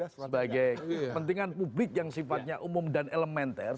sebagai pentingan publik yang sifatnya umum dan elementer